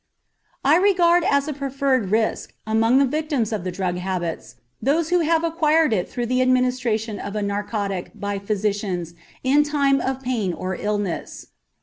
I regard as a preferred risk among the victims of the drug habits those who have acquired it through the administration of a narcotic by physicians in time of pain or illness.